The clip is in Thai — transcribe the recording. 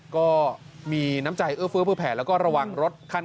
ก็มีน้ำใจเอื้อเฟื้อแผลแล้วก็ระวังรถคัน